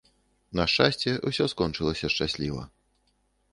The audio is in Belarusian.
На шчасце, усё скончылася шчасліва.